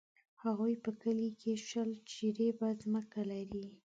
هغوی په کلي کښې شل جریبه ځمکه لري.